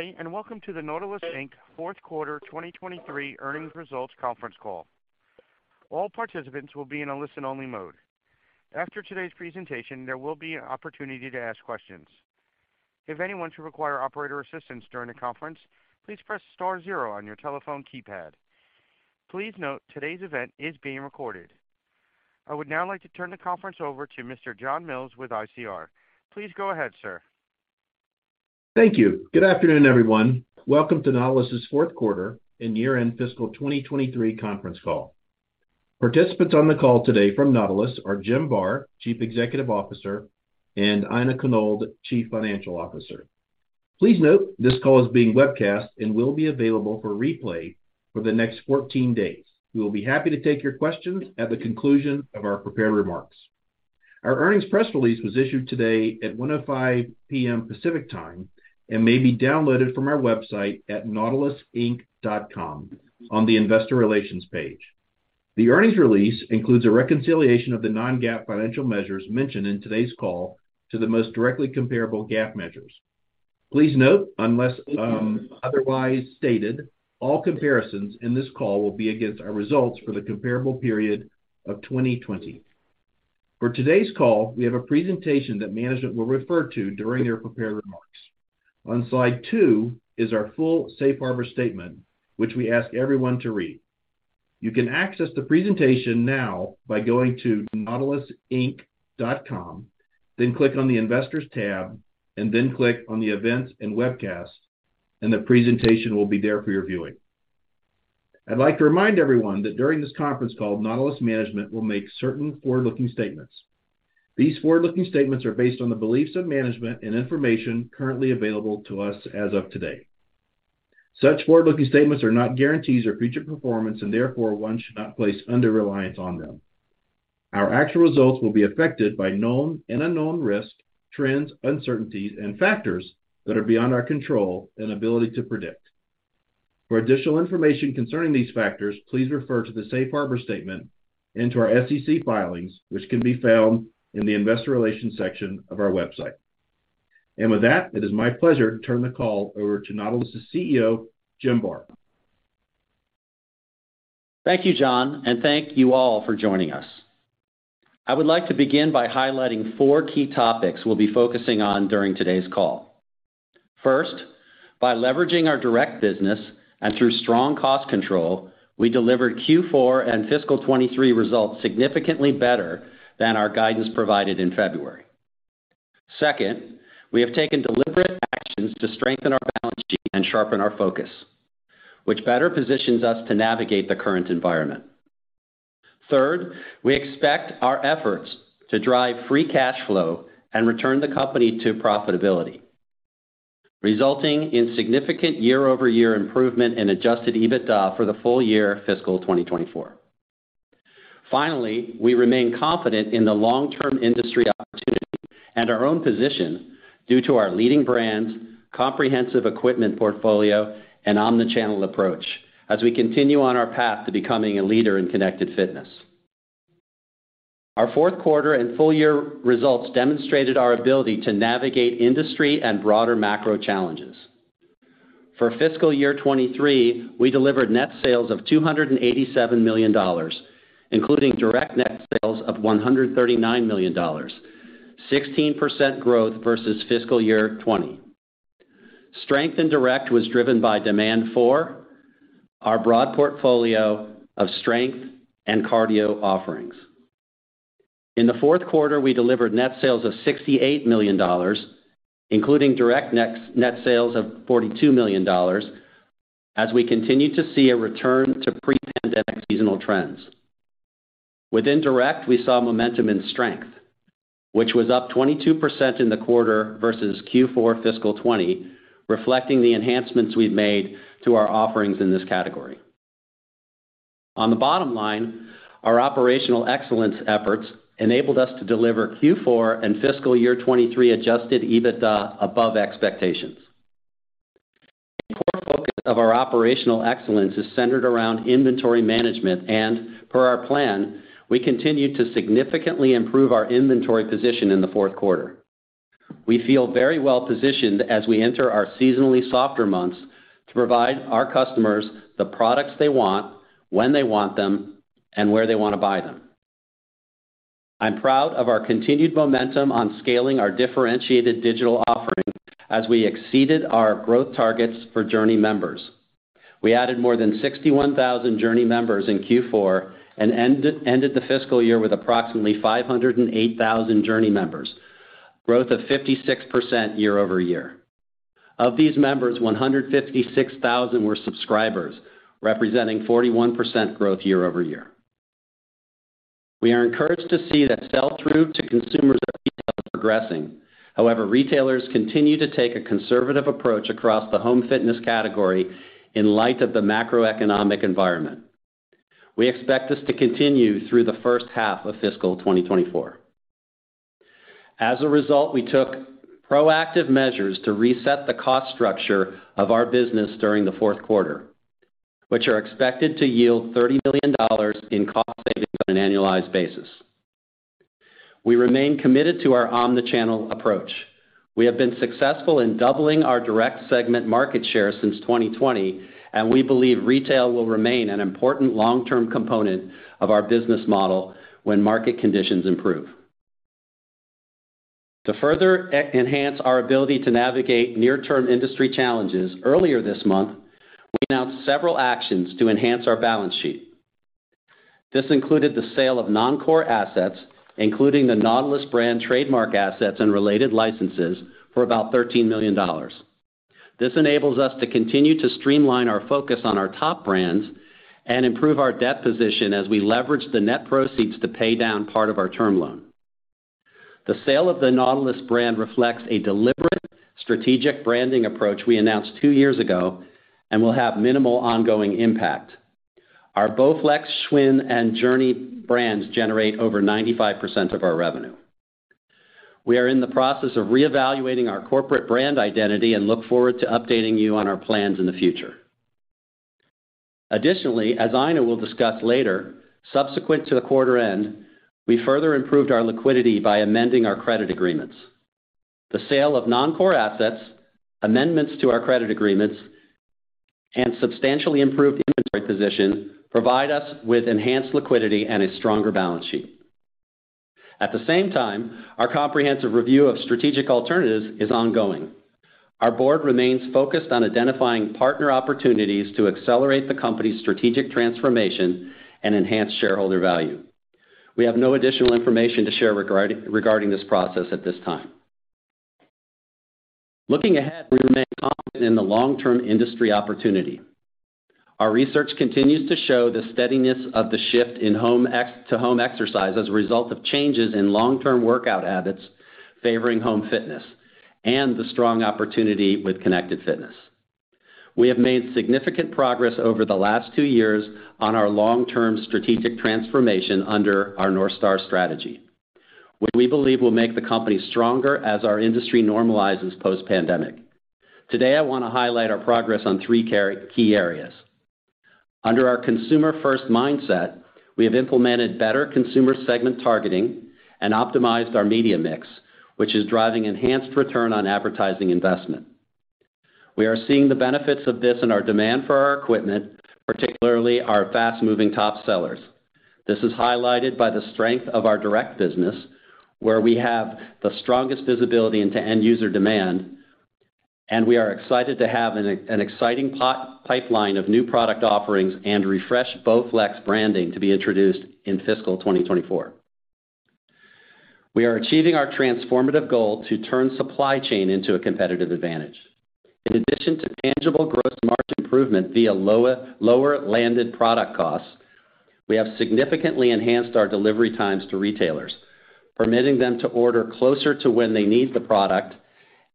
Good day. Welcome to the Nautilus Inc fourth quarter 2023 earnings results conference call. All participants will be in a listen-only mode. After today's presentation, there will be an opportunity to ask questions. If anyone should require operator assistance during the conference, please press star zero on your telephone keypad. Please note today's event is being recorded. I would now like to turn the conference over to Mr. John Mills with ICR. Please go ahead, sir. Thank you. Good afternoon, everyone. Welcome to Nautilus's fourth quarter and year-end fiscal 2023 conference call. Participants on the call today from Nautilus are Jim Barr, Chief Executive Officer, and Aina Konold, Chief Financial Officer. Please note this call is being webcast and will be available for replay for the next 14 days. We will be happy to take your questions at the conclusion of our prepared remarks. Our earnings press release was issued today at 1:05 P.M. Pacific time and may be downloaded from our website at nautilusinc.com on the investor relations page. The earnings release includes a reconciliation of the non-GAAP financial measures mentioned in today's call to the most directly comparable GAAP measures. Please note, unless otherwise stated, all comparisons in this call will be against our results for the comparable period of 2020. For today's call, we have a presentation that management will refer to during their prepared remarks. On slide two is our full safe harbor statement, which we ask everyone to read. You can access the presentation now by going to nautilusinc.com, then click on the Investors tab, and then click on the Events & Webcasts, and the presentation will be there for your viewing. I'd like to remind everyone that during this conference call, Nautilus Management will make certain forward-looking statements. These forward-looking statements are based on the beliefs of management and information currently available to us as of today. Such forward-looking statements are not guarantees of future performance, and therefore, one should not place undue reliance on them. Our actual results will be affected by known and unknown risks, trends, uncertainties, and factors that are beyond our control and ability to predict. For additional information concerning these factors, please refer to the safe harbor statement and to our SEC filings, which can be found in the Investor Relations section of our website. With that, it is my pleasure to turn the call over to Nautilus' CEO, Jim Barr. Thank you, John, and thank you all for joining us. I would like to begin by highlighting four key topics we'll be focusing on during today's call. First, by leveraging our direct business and through strong cost control, we delivered Q4 and fiscal 2023 results significantly better than our guidance provided in February. Second, we have taken deliberate actions to strengthen our balance sheet and sharpen our focus, which better positions us to navigate the current environment. Third, we expect our efforts to drive free cash flow and return the company to profitability, resulting in significant year-over-year improvement in adjusted EBITDA for the full year fiscal 2024. Finally, we remain confident in the long-term industry opportunity and our own position due to our leading brands, comprehensive equipment portfolio, and omni-channel approach as we continue on our path to becoming a leader in connected fitness. Our fourth quarter and full-year results demonstrated our ability to navigate industry and broader macro challenges. For fiscal year 2023, we delivered net sales of $287 million, including direct net sales of $139 million, 16% growth versus fiscal year 2020. Strength in direct was driven by demand for our broad portfolio of strength and cardio offerings. In the fourth quarter, we delivered net sales of $68 million, including direct net sales of $42 million as we continue to see a return to pre-pandemic seasonal trends. Within Direct, we saw momentum and strength, which was up 22% in the quarter versus Q4 fiscal 2020, reflecting the enhancements we've made to our offerings in this category. On the bottom line, our operational excellence efforts enabled us to deliver Q4 and fiscal year 2023 adjusted EBITDA above expectations. A core focus of our operational excellence is centered around inventory management. Per our plan, we continued to significantly improve our inventory position in the fourth quarter. We feel very well-positioned as we enter our seasonally softer months to provide our customers the products they want, when they want them, and where they want to buy them. I'm proud of our continued momentum on scaling our differentiated digital offering as we exceeded our growth targets for JRNY members. We added more than 61,000 JRNY members in Q4 and ended the fiscal year with approximately 508,000 JRNY members, growth of 56% year-over-year. Of these members, 156,000 were subscribers, representing 41% growth year-over-year. We are encouraged to see that sell-through to consumers are progressing. Retailers continue to take a conservative approach across the Home Fitness category in light of the macroeconomic environment. We expect this to continue through the first half of fiscal 2024. We took proactive measures to reset the cost structure of our business during the fourth quarter, which are expected to yield $30 million in cost savings on an annualized basis. We remain committed to our omni-channel approach. We have been successful in doubling our Direct segment market share since 2020, and we believe retail will remain an important long-term component of our business model when market conditions improve. To further enhance our ability to navigate near-term industry challenges, earlier this month, we announced several actions to enhance our balance sheet. This included the sale of non-core assets, including the Nautilus brand trademark assets and related licenses for about $13 million. This enables us to continue to streamline our focus on our top brands and improve our debt position as we leverage the net proceeds to pay down part of our term loan. The sale of the Nautilus brand reflects a deliberate strategic branding approach we announced two years ago and will have minimal ongoing impact. Our BowFlex, SCHWINN, and JRNY brands generate over 95% of our revenue. We are in the process of reevaluating our corporate brand identity and look forward to updating you on our plans in the future. Additionally, as Aina will discuss later, subsequent to the quarter end, we further improved our liquidity by amending our credit agreements. The sale of non-core assets, amendments to our credit agreements, and substantially improved inventory position provide us with enhanced liquidity and a stronger balance sheet. At the same time, our comprehensive review of strategic alternatives is ongoing. Our board remains focused on identifying partner opportunities to accelerate the company's strategic transformation and enhance shareholder value. We have no additional information to share regarding this process at this time. Looking ahead, we remain confident in the long-term industry opportunity. Our research continues to show the steadiness of the shift in home exercise as a result of changes in long-term workout habits favoring home fitness and the strong opportunity with connected fitness. We have made significant progress over the last two years on our long-term strategic transformation under our North Star strategy, what we believe will make the company stronger as our industry normalizes post-pandemic. Today, I wanna highlight our progress on three key areas. Under our consumer-first mindset, we have implemented better consumer segment targeting and optimized our media mix, which is driving enhanced return on advertising investment. We are seeing the benefits of this in our demand for our equipment, particularly our fast-moving top sellers. This is highlighted by the strength of our Direct business, where we have the strongest visibility into end user demand, and we are excited to have an exciting pipeline of new product offerings and refreshed BowFlex branding to be introduced in fiscal 2024. We are achieving our transformative goal to turn supply chain into a competitive advantage. In addition to tangible gross margin improvement via lower landed product costs, we have significantly enhanced our delivery times to retailers, permitting them to order closer to when they need the product,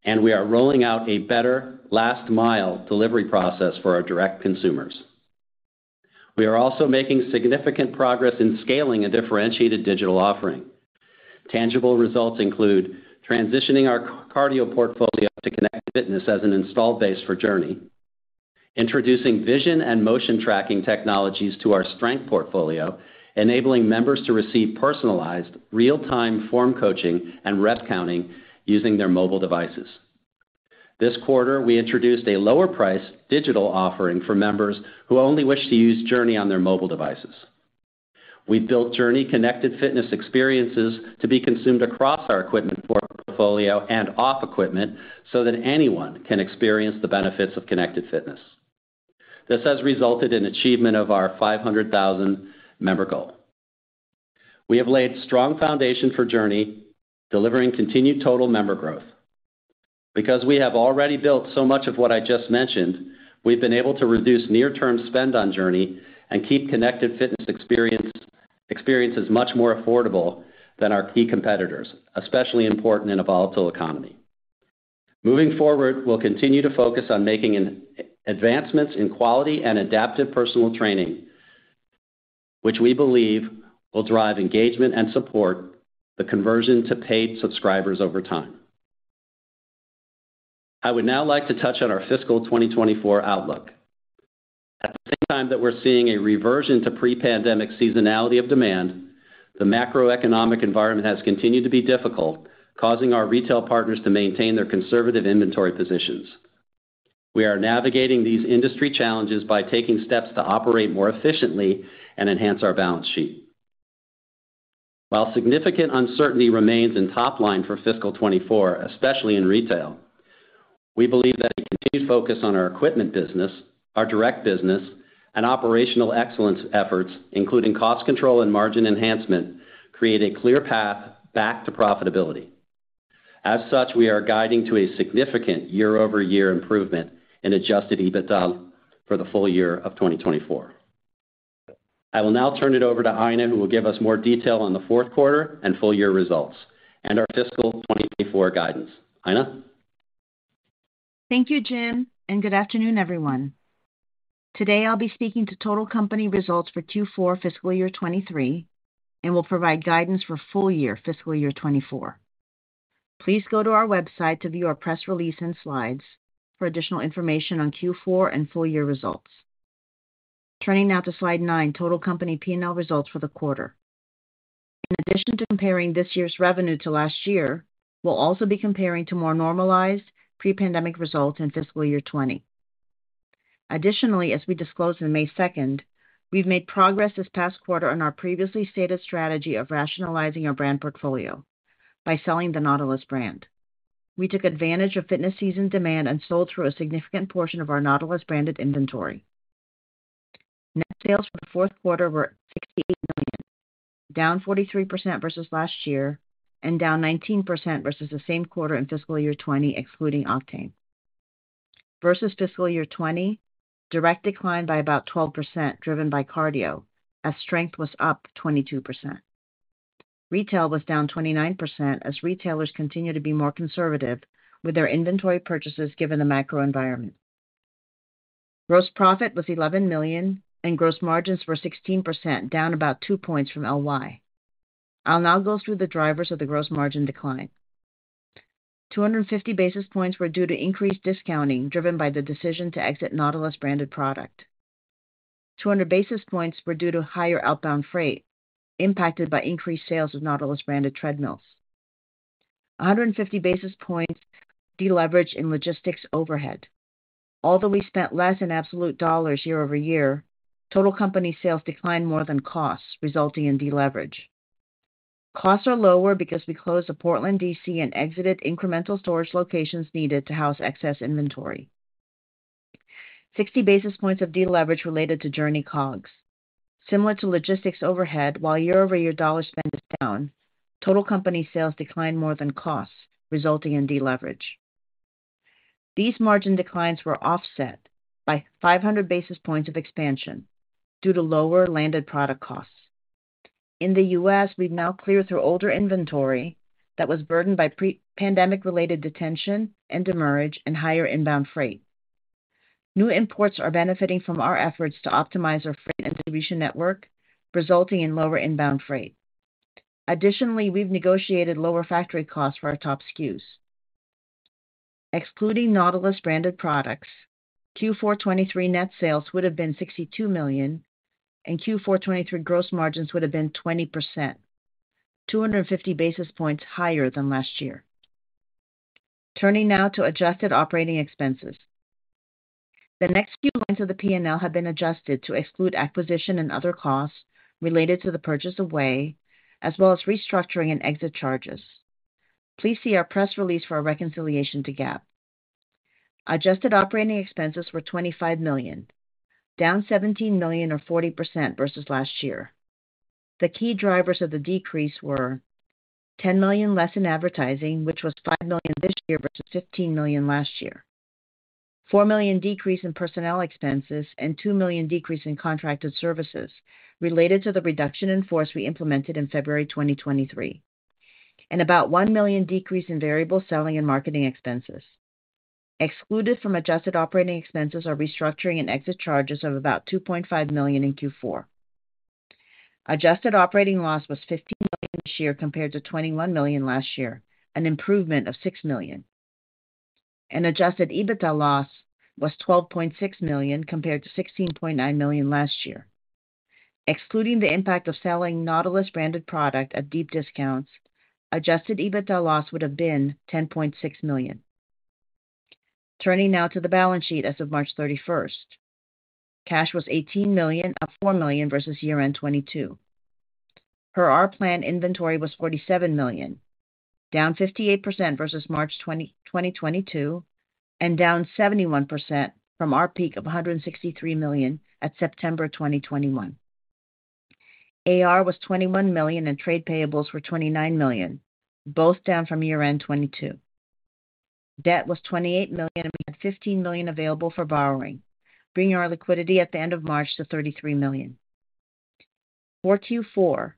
and we are rolling out a better last mile delivery process for our direct consumers. We are also making significant progress in scaling a differentiated digital offering. Tangible results include transitioning our cardio portfolio to connected fitness as an installed base for JRNY, introducing vision and motion tracking technologies to our strength portfolio, enabling members to receive personalized real-time form coaching and rep counting using their mobile devices. This quarter, we introduced a lower price digital offering for members who only wish to use JRNY on their mobile devices. We built JRNY connected fitness experiences to be consumed across our equipment portfolio and off equipment so that anyone can experience the benefits of connected fitness. This has resulted in achievement of our 500,000 member goal. We have laid strong foundation for JRNY, delivering continued total member growth. We have already built so much of what I just mentioned, we've been able to reduce near-term spend on JRNY and keep connected fitness experiences much more affordable than our key competitors, especially important in a volatile economy. Moving forward, we'll continue to focus on making advancements in quality and adaptive personal training, which we believe will drive engagement and support the conversion to paid subscribers over time. I would now like to touch on our fiscal 2024 outlook. At the same time that we're seeing a reversion to pre-pandemic seasonality of demand, the macroeconomic environment has continued to be difficult, causing our retail partners to maintain their conservative inventory positions. We are navigating these industry challenges by taking steps to operate more efficiently and enhance our balance sheet. While significant uncertainty remains in top line for fiscal 2024, especially in retail, we believe that a continued focus on our equipment business, our Direct business, and operational excellence efforts, including cost control and margin enhancement, create a clear path back to profitability. As such, we are guiding to a significant year-over-year improvement in adjusted EBITDA for the full year of 2024. I will now turn it over to Aina, who will give us more detail on the fourth quarter and full year results and our fiscal 2024 guidance. Aina? Thank you, Jim. Good afternoon, everyone. Today, I'll be speaking to total company results for Q4 fiscal year 2023 and will provide guidance for full year fiscal year 2024. Please go to our website to view our press release and slides for additional information on Q4 and full year results. Turning now to slide nine, total company P&L results for the quarter. In addition to comparing this year's revenue to last year, we'll also be comparing to more normalized pre-pandemic results in fiscal year 2020. Additionally, as we disclosed in May 2nd, we've made progress this past quarter on our previously stated strategy of rationalizing our brand portfolio by selling the Nautilus brand. We took advantage of fitness season demand and sold through a significant portion of our Nautilus-branded inventory. Net sales for the fourth quarter were $68 million, down 43% versus last year and down 19% versus the same quarter in fiscal year 2020, excluding Octane. Versus fiscal year 2020, Direct declined by about 12%, driven by cardio, as strength was up 22%. Retail was down 29% as retailers continue to be more conservative with their inventory purchases given the macro environment. Gross profit was $11 million and gross margins were 16%, down about 2 points from LY. I'll now go through the drivers of the gross margin decline. 250 basis points were due to increased discounting driven by the decision to exit Nautilus-branded product. 200 basis points were due to higher outbound freight, impacted by increased sales of Nautilus-branded Treadmills. 150 basis points deleverage in logistics overhead. Although we spent less in absolute dollars year-over-year, total company sales declined more than costs, resulting in deleverage. Costs are lower because we closed the Portland D.C. and exited incremental storage locations needed to house excess inventory. 60 basis points of deleverage related to JRNY COGS. Similar to logistics overhead, while year-over-year dollar spend is down, total company sales declined more than costs, resulting in deleverage. These margin declines were offset by 500 basis points of expansion due to lower landed product costs. In the U.S., we've now cleared through older inventory that was burdened by pre-pandemic-related detention and demurrage and higher inbound freight. New imports are benefiting from our efforts to optimize our freight and distribution network, resulting in lower inbound freight. Additionally, we've negotiated lower factory costs for our top SKUs. Excluding Nautilus-branded products, Q4 2023 net sales would have been $62 million, and Q4 2023 gross margins would have been 20%, 250 basis points higher than last year. Turning now to adjusted operating expenses. The next few lines of the P&L have been adjusted to exclude acquisition and other costs related to the purchase of Vay, as well as restructuring and exit charges. Please see our press release for a reconciliation to GAAP. Adjusted operating expenses were $25 million, down $17 million or 40% versus last year. The key drivers of the decrease were $10 million less in advertising, which was $5 million this year versus $15 million last year. $4 million decrease in personnel expenses and $2 million decrease in contracted services related to the reduction in force we implemented in February 2023. About $1 million decrease in variable selling and marketing expenses. Excluded from adjusted operating expenses are restructuring and exit charges of about $2.5 million in Q4. Adjusted operating loss was $15 million this year compared to $21 million last year, an improvement of $6 million. Adjusted EBITDA loss was $12.6 million compared to $16.9 million last year. Excluding the impact of selling Nautilus-branded product at deep discounts, adjusted EBITDA loss would have been $10.6 million. Turning now to the balance sheet as of March 31st. Cash was $18 million, up $4 million versus year-end 2022. Per our plan, inventory was $47 million, down 58% versus March 2022, and down 71% from our peak of $163 million at September 2021. AR was $21 million, and trade payables were $29 million, both down from year-end 2022. Debt was $28 million, we had $15 million available for borrowing, bringing our liquidity at the end of March to $33 million. For Q4,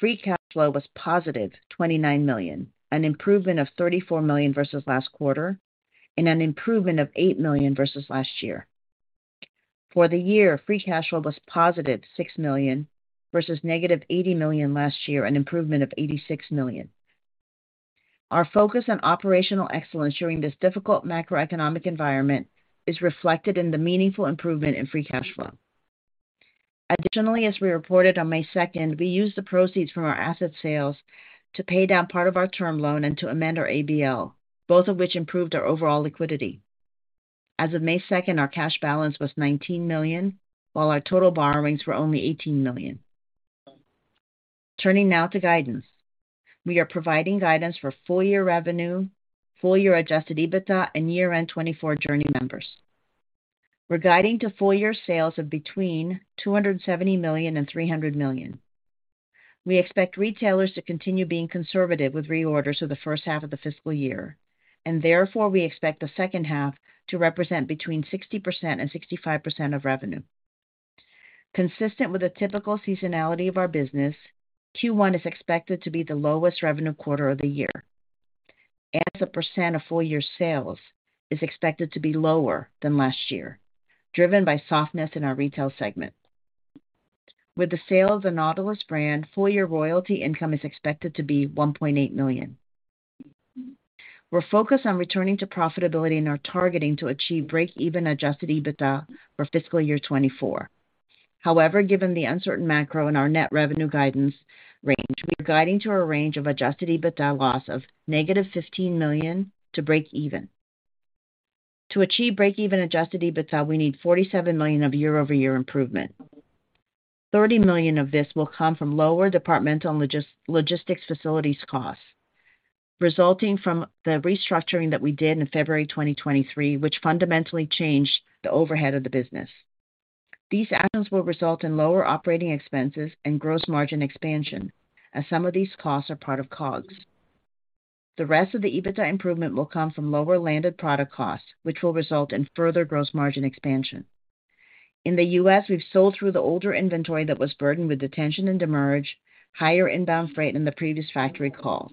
free cash flow was positive $29 million, an improvement of $34 million versus last quarter and an improvement of $8 million versus last year. For the year, free cash flow was positive $6 million versus -$80 million last year, an improvement of $86 million. Our focus on operational excellence during this difficult macroeconomic environment is reflected in the meaningful improvement in free cash flow. Additionally, as we reported on May 2nd, we used the proceeds from our asset sales to pay down part of our term loan and to amend our [ABL], both of which improved our overall liquidity. As of May 2nd, our cash balance was $19 million, while our total borrowings were only $18 million. Turning now to guidance. We are providing guidance for full-year revenue, full-year adjusted EBITDA and year-end 2024 JRNY members. We're guiding to full-year sales of between $270 million and $300 million. We expect retailers to continue being conservative with reorders for the first half of the fiscal year, and therefore, we expect the second half to represent between 60% and 65% of revenue. Consistent with the typical seasonality of our business, Q1 is expected to be the lowest revenue quarter of the year. As a percent of full-year sales is expected to be lower than last year, driven by softness in our Retail segment. With the sale of the Nautilus brand, full-year royalty income is expected to be $1.8 million. We're focused on returning to profitability and are targeting to achieve break-even adjusted EBITDA for fiscal year 2024. Given the uncertain macro and our net revenue guidance range, we are guiding to a range of adjusted EBITDA loss of -$15 million to break even. To achieve break-even adjusted EBITDA, we need $47 million of year-over-year improvement. $30 million of this will come from lower departmental logistics facilities costs, resulting from the restructuring that we did in February 2023, which fundamentally changed the overhead of the business. These actions will result in lower operating expenses and gross margin expansion, as some of these costs are part of COGS. The rest of the EBITDA improvement will come from lower landed product costs, which will result in further gross margin expansion. In the U.S., we've sold through the older inventory that was burdened with detention and demurrage, higher inbound freight in the previous factory calls.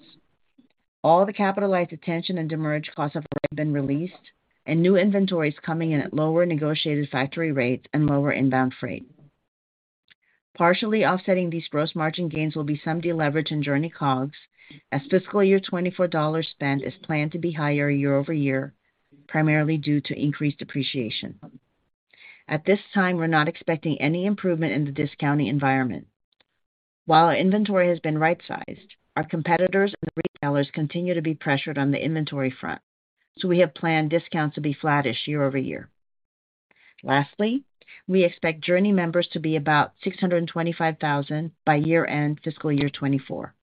All the capitalized detention and demurrage costs have been released and new inventory is coming in at lower negotiated factory rates and lower inbound freight. Partially offsetting these gross margin gains will be some deleverage in JRNY COGS, as fiscal year 2024 dollar spend is planned to be higher year-over-year, primarily due to increased depreciation. At this time, we're not expecting any improvement in the discounting environment. While our inventory has been right-sized, our competitors and retailers continue to be pressured on the inventory front, so we have planned discounts to be flattish year-over-year. Lastly, we expect JRNY members to be about 625,000 by year-end fiscal year 2024.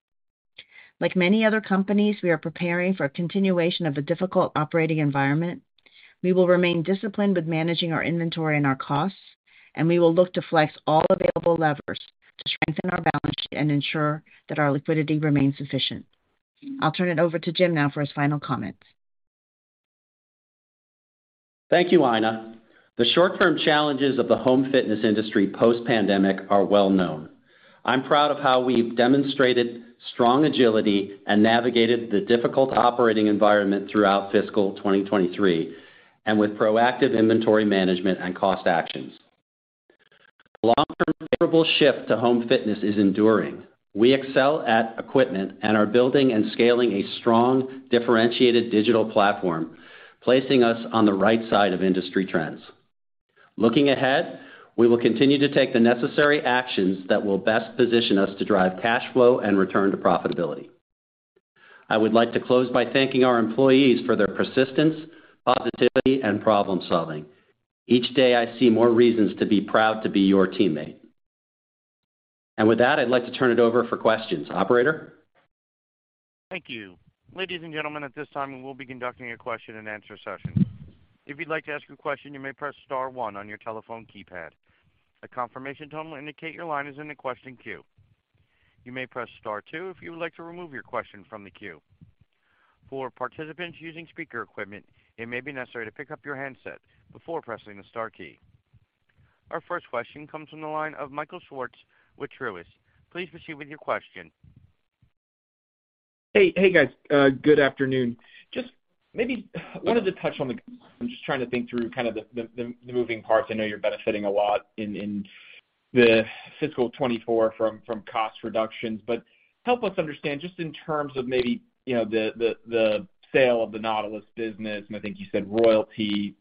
Like many other companies, we are preparing for a continuation of a difficult operating environment. We will remain disciplined with managing our inventory and our costs, and we will look to flex all available levers to strengthen our balance sheet and ensure that our liquidity remains sufficient. I'll turn it over to Jim now for his final comments. Thank you, Aina. The short-term challenges of the home fitness industry post-pandemic are well-known. I'm proud of how we've demonstrated strong agility and navigated the difficult operating environment throughout fiscal 2023, and with proactive inventory management and cost actions. Long-term favorable shift to home fitness is enduring. We excel at equipment and are building and scaling a strong differentiated digital platform, placing us on the right side of industry trends. Looking ahead, we will continue to take the necessary actions that will best position us to drive cash flow and return to profitability. I would like to close by thanking our employees for their persistence, positivity, and problem-solving. Each day, I see more reasons to be proud to be your teammate. With that, I'd like to turn it over for questions. Operator? Thank you. Ladies and gentlemen, at this time, we'll be conducting a question and answer session. If you'd like to ask a question, you may press star one on your telephone keypad. A confirmation tone will indicate your line is in the question queue. You may press star two if you would like to remove your question from the queue. For participants using speaker equipment, it may be necessary to pick up your handset before pressing the star key. Our first question comes from the line of Michael Swartz with Truist. Please proceed with your question. Hey, hey, guys. Good afternoon. Just maybe I wanted to touch on the. I'm just trying to think through kind of the moving parts. I know you're benefiting a lot in the fiscal 2024 from cost reductions. Help us understand just in terms of maybe, you know, the sale of the Nautilus business, I think you said royalty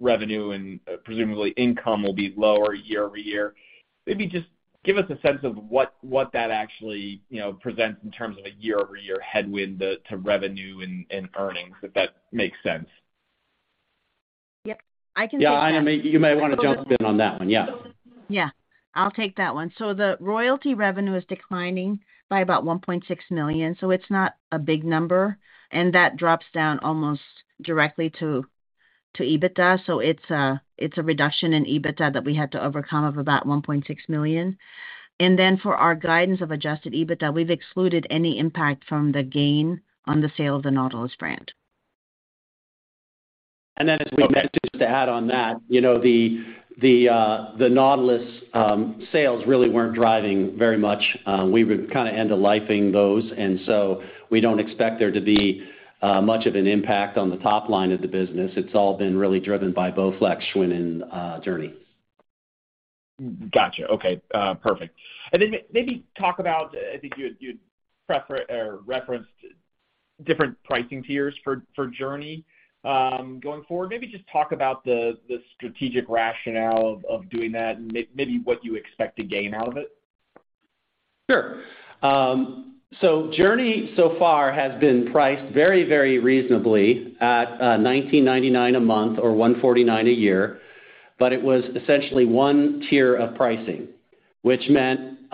revenue and presumably income will be lower year-over-year. Maybe just give us a sense of what that actually, you know, presents in terms of a year-over-year headwind to revenue and earnings, if that makes sense. Yep, I can take that. Yeah, Aina, you might wanna jump in on that one. Yeah. I'll take that one. The royalty revenue is declining by about $1.6 million, so it's not a big number, and that drops down almost directly to EBITDA. It's a reduction in EBITDA that we had to overcome of about $1.6 million. For our guidance of adjusted EBITDA, we've excluded any impact from the gain on the sale of the Nautilus brand. As we mentioned, to add on that, you know, the Nautilus sales really weren't driving very much. We were kinda end of lifing those, and so we don't expect there to be much of an impact on the top line of the business. It's all been really driven by BowFlex, SCHWINN, and JRNY. Gotcha. Okay. Perfect. Maybe talk about, I think you referenced different pricing tiers for JRNY going forward. Maybe just talk about the strategic rationale of doing that and maybe what you expect to gain out of it? Sure. JRNY so far has been priced very, very reasonably at $19.99 a month or $149 a year. It was essentially one tier of pricing, which meant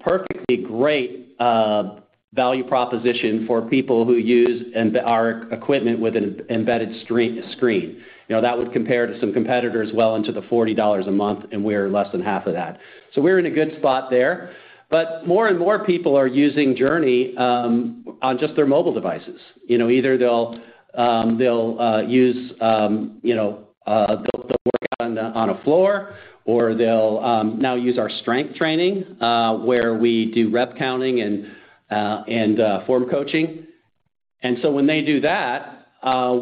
perfectly great value proposition for people who use our equipment with an embedded screen. You know, that would compare to some competitors well into the $40 a month, and we're less than half of that. We're in a good spot there. More and more people are using JRNY on just their mobile devices. You know, either they'll use you know, they'll work on a floor or they'll now use our strength training where we do rep counting and form coaching. When they do that,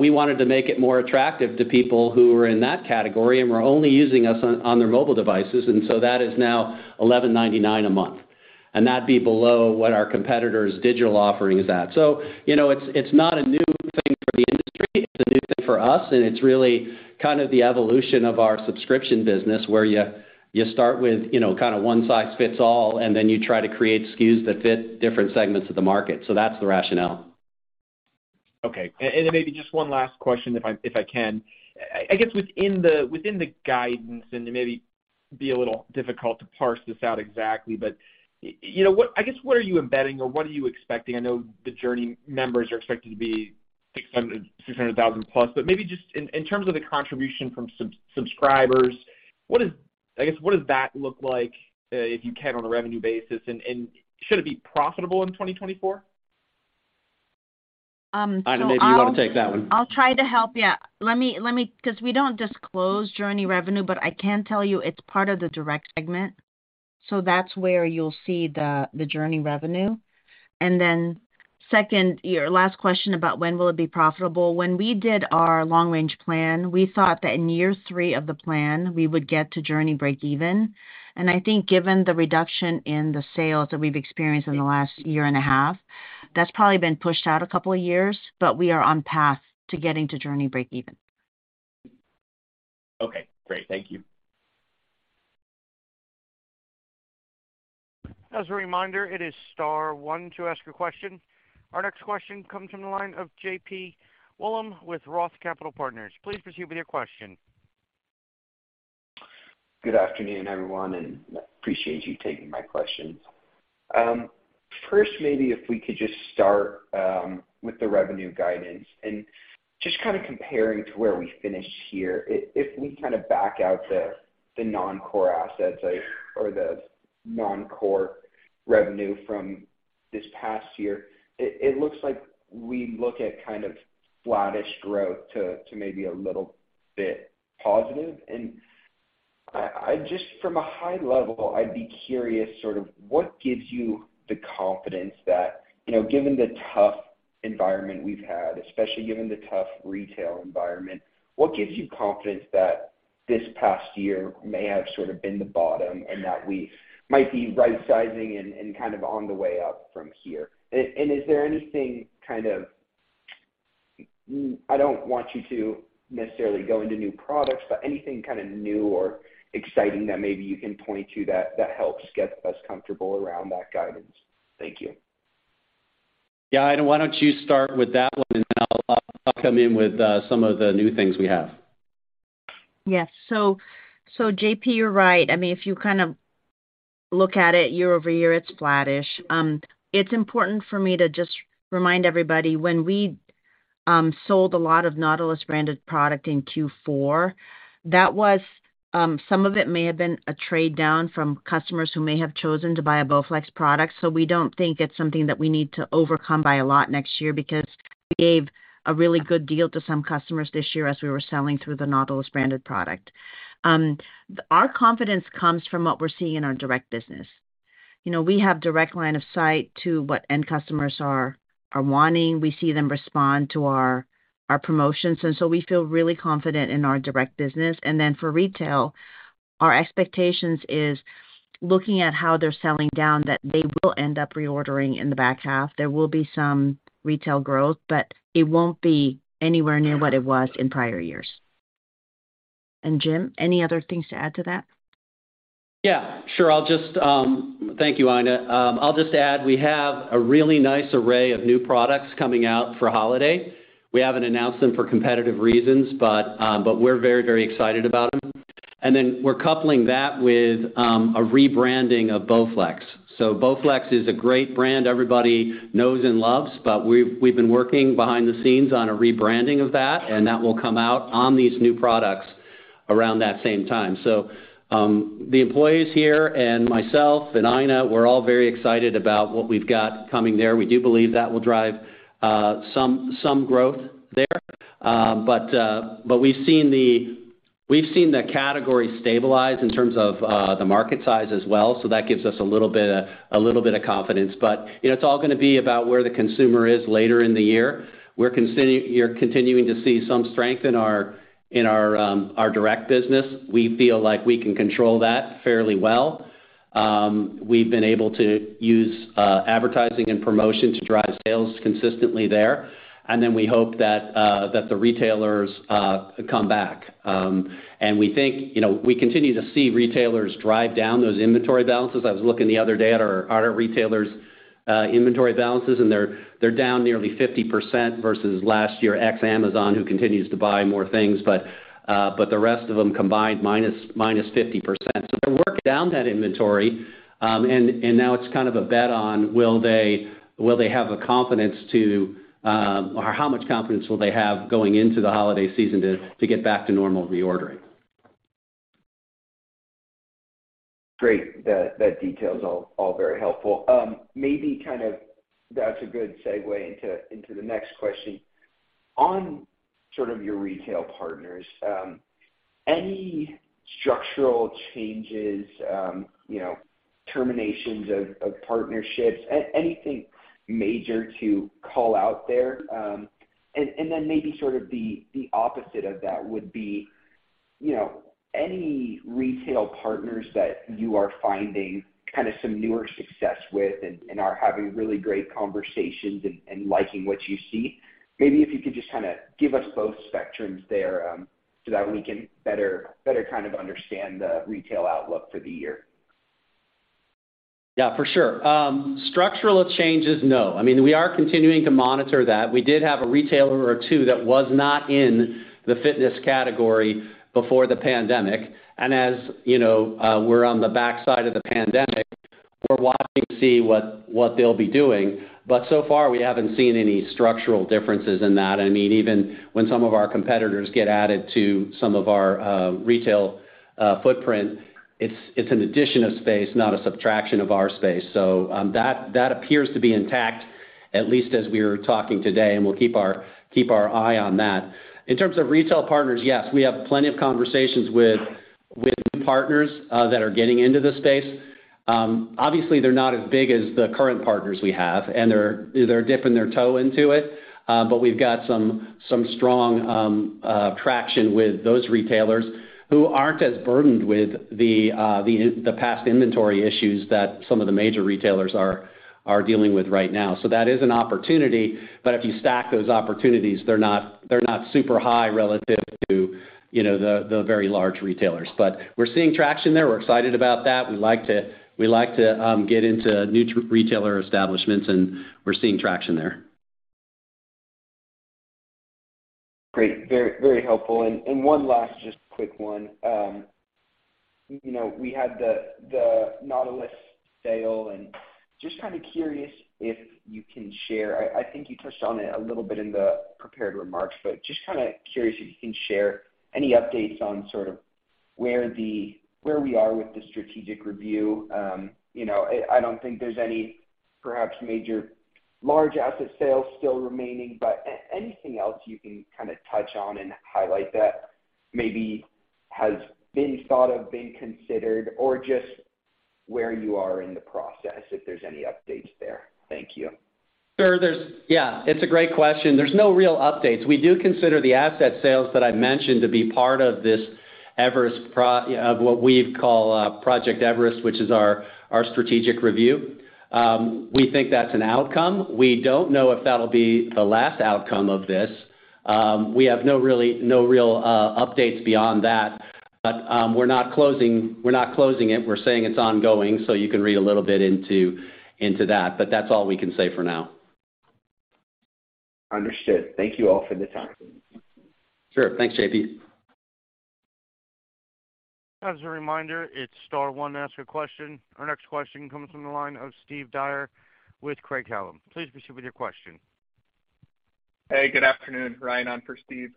we wanted to make it more attractive to people who are in that category and were only using us on their mobile devices, that is now $11.99 a month. That be below what our competitors' digital offering is at. You know, it's not a new thing for the industry, it's a new thing for us, and it's really kind of the evolution of our subscription business, where you start with, you know, kind of one size fits all, and then you try to create SKUs that fit different segments of the market. That's the rationale. Okay. Then maybe just one last question, if I can. I guess within the guidance, it may be a little difficult to parse this out exactly, you know, I guess, what are you embedding or what are you expecting? I know the JRNY members are expected to be 600,000+, maybe just in terms of the contribution from subscribers, what is I guess, what does that look like, if you can, on a revenue basis? Should it be profitable in 2024? Um, so I'll- Aina, maybe you wanna take that one. I'll try to help, yeah. Let me, 'cause we don't disclose JRNY revenue, but I can tell you it's part of the Direct segment. That's where you'll see the JRNY revenue. Second, your last question about when will it be profitable. When we did our long-range plan, we thought that in year three of the plan, we would get to JRNY breakeven. I think given the reduction in the sales that we've experienced in the last year and a half, that's probably been pushed out a couple of years, but we are on path to getting to JRNY breakeven. Okay, great. Thank you. As a reminder, it is star one to ask a question. Our next question comes from the line of JP Wollam with ROTH Capital Partners. Please proceed with your question. Good afternoon, everyone. Appreciate you taking my questions. First, maybe if we could just start with the revenue guidance and just kind of comparing to where we finished here. If we kind of back out the non-core assets or the non-core revenue from this past year, it looks like we look at kind of flattish growth to maybe a little bit positive. I just from a high level, I'd be curious, sort of what gives you the confidence that, you know, given the tough environment we've had, especially given the tough retail environment, what gives you confidence that this past year may have sort of been the bottom and that we might be rightsizing and kind of on the way up from here? Is there anything kind of, I don't want you to necessarily go into new products, but anything kind of new or exciting that maybe you can point to that helps get us comfortable around that guidance. Thank you. Yeah, Aina, why don't you start with that one, and then I'll come in with some of the new things we have. Yes. JP, you're right. I mean, if you kind of look at it year-over-year, it's flattish. It's important for me to just remind everybody when we sold a lot of Nautilus-branded product in Q4, that was some of it may have been a trade down from customers who may have chosen to buy a BowFlex product. We don't think it's something that we need to overcome by a lot next year because we gave a really good deal to some customers this year as we were selling through the Nautilus-branded product. Our confidence comes from what we're seeing in our direct business. You know, we have direct line of sight to what end customers are wanting. We see them respond to our promotions, we feel really confident in our Direct business. For Retail, our expectations is looking at how they're selling down, that they will end up reordering in the back half. There will be some retail growth, it won't be anywhere near what it was in prior years. Jim, any other things to add to that? Yeah, sure. Thank you, Aina. I'll just add, we have a really nice array of new products coming out for holiday. We haven't announced them for competitive reasons, but we're very, very excited about them. We're coupling that with a rebranding of BowFlex. BowFlex is a great brand everybody knows and loves, but we've been working behind the scenes on a rebranding of that, and that will come out on these new products around that same time. The employees here and myself and Aina, we're all very excited about what we've got coming there. We do believe that will drive some growth there. But we've seen the category stabilize in terms of the market size as well, so that gives us a little bit a little bit of confidence. You know, it's all gonna be about where the consumer is later in the year. You're continuing to see some strength in our Direct business. We feel like we can control that fairly well. We've been able to use advertising and promotion to drive sales consistently there. We hope that the retailers come back. We think, you know, we continue to see retailers drive down those inventory balances. I was looking the other day at our retailers' inventory balances, and they're down nearly 50% versus last year, ex Amazon, who continues to buy more things. The rest of them combined, -50%. They're working down that inventory. Now it's kind of a bet on will they have the confidence to, or how much confidence will they have going into the holiday season to get back to normal reordering. Great. That detail is all very helpful. Maybe kind of that's a good segue into the next question. On sort of your retail partners, any structural changes, you know, terminations of partnerships, anything major to call out there? Then maybe sort of the opposite of that would be, you know, any retail partners that you are finding kind of some newer success with and are having really great conversations and liking what you see? Maybe if you could just kinda give us both spectrums there, so that we can better understand the retail outlook for the year. Yeah, for sure. Structural changes, no. I mean, we are continuing to monitor that. We did have a retailer or two that was not in the fitness category before the pandemic. As, you know, we're on the backside of the pandemic, we're watching to see what they'll be doing. So far, we haven't seen any structural differences in that. I mean, even when some of our competitors get added to some of our retail footprint, it's an addition of space, not a subtraction of our space. That appears to be intact, at least as we're talking today, and we'll keep our eye on that. In terms of retail partners, yes. We have plenty of conversations with partners that are getting into this space. Obviously, they're not as big as the current partners we have, and they're either dipping their toe into it, but we've got some strong traction with those retailers who aren't as burdened with the past inventory issues that some of the major retailers are dealing with right now. That is an opportunity. If you stack those opportunities, they're not, they're not super high relative to, you know, the very large retailers. We're seeing traction there. We're excited about that. We like to get into new retailer establishments, and we're seeing traction there. Great. Very, very helpful. One last just quick one. You know, we had the Nautilus sale, and just kinda curious if you can share. I think you touched on it a little bit in the prepared remarks, but just kinda curious if you can share any updates on sort of where we are with the strategic review. You know, I don't think there's any perhaps major large asset sales still remaining, but anything else you can kinda touch on and highlight that maybe has been thought of, been considered, or just where you are in the process, if there's any updates there. Thank you. Sure. Yeah, it's a great question. There's no real updates. We do consider the asset sales that I mentioned to be part of this Project Everest, which is our strategic review. We think that's an outcome. We don't know if that'll be the last outcome of this. We have no real updates beyond that. We're not closing it. We're saying it's ongoing, so you can read a little bit into that. That's all we can say for now. Understood. Thank you all for the time. Sure. Thanks, JP. As a reminder, it's star one to ask a question. Our next question comes from the line of Steve Dyer with Craig-Hallum. Please proceed with your question. Hey, good afternoon. Ryan on for Steve.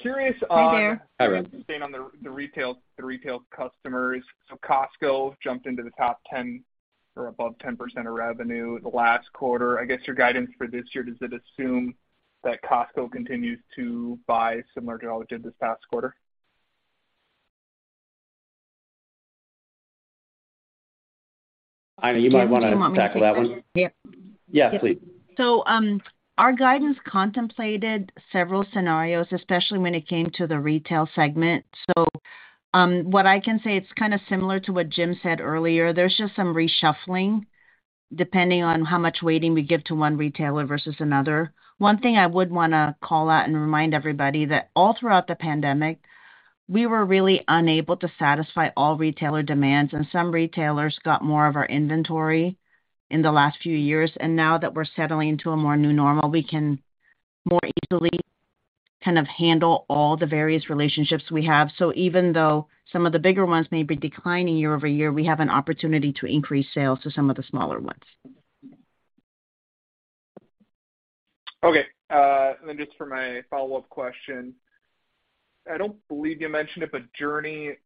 Hi there. Hi, Ryan. Curious on staying on the retail customers. Costco jumped into the top 10% or above 10% of revenue the last quarter. I guess your guidance for this year, does it assume that Costco continues to buy similar to how it did this past quarter? Aina, you might wanna tackle that one. Yeah. Yes, please. Our guidance contemplated several scenarios, especially when it came to the Retail segment. What I can say, it's kinda similar to what Jim said earlier. There's just some reshuffling depending on how much weighting we give to one retailer versus another. One thing I would wanna call out and remind everybody that all throughout the pandemic, we were really unable to satisfy all retailer demands, and some retailers got more of our inventory in the last few years. Now that we're settling to a more new normal, we can more easily kind of handle all the various relationships we have. Even though some of the bigger ones may be declining year-over-year, we have an opportunity to increase sales to some of the smaller ones. Okay. Just for my follow-up question. I don't believe you mentioned it, but JRNY,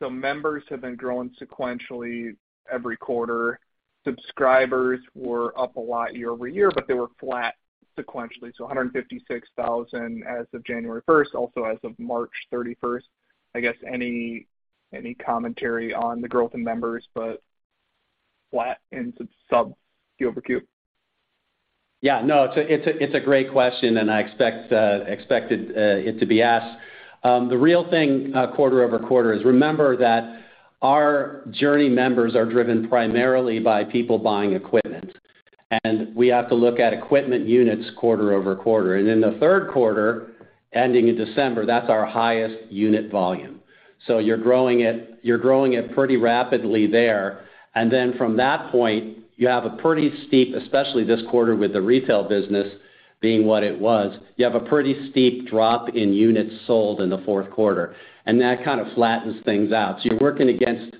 the members have been growing sequentially every quarter. Subscribers were up a lot year-over-year, but they were flat sequentially, so 156,000 as of January 1st, also as of March 31st. I guess any commentary on the growth in members, but flat in sub [Q-over-Q]? Yeah, no, it's a great question. I expected it to be asked. The real thing quarter-over-quarter is remember that our JRNY members are driven primarily by people buying equipment. We have to look at equipment units quarter-over-quarter. In the third quarter, ending in December, that's our highest unit volume. You're growing it pretty rapidly there. From that point, you have a pretty steep, especially this quarter with the retail business being what it was, you have a pretty steep drop in units sold in the fourth quarter. That kind of flattens things out. You're working against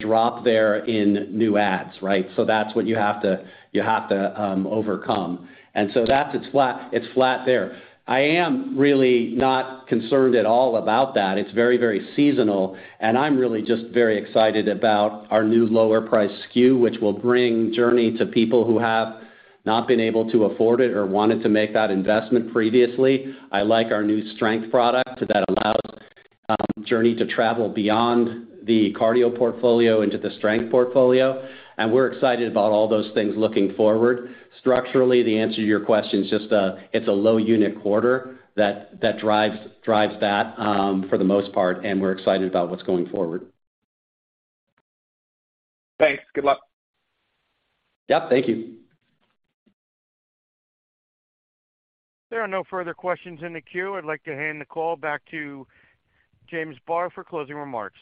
a drop there in new ads, right? That's what you have to overcome. That's it's flat there. I am really not concerned at all about that. It's very, very seasonal, and I'm really just very excited about our new lower price SKU, which will bring JRNY to people who have not been able to afford it or wanted to make that investment previously. I like our new strength product that allows JRNY to travel beyond the cardio portfolio into the strength portfolio, and we're excited about all those things looking forward. Structurally, the answer to your question is just a, it's a low unit quarter that drives that for the most part, and we're excited about what's going forward. Thanks. Good luck. Yep, thank you. There are no further questions in the queue. I'd like to hand the call back to James Barr for closing remarks.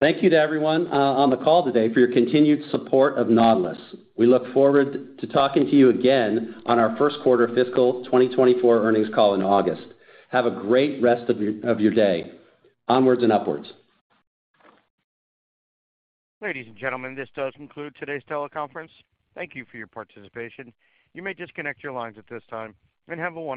Thank you to everyone on the call today for your continued support of Nautilus. We look forward to talking to you again on our first quarter fiscal 2024 earnings call in August. Have a great rest of your day. Onwards and upwards. Ladies and gentlemen, this does conclude today's teleconference. Thank you for your participation. You may disconnect your lines at this time and have a wonderful day.